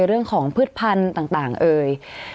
เรื่องของพืชพันธุ์ต่างเอ่ย